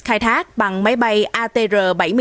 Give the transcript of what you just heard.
khai thác bằng máy bay atr bảy mươi hai